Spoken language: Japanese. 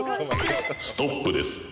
ストップです。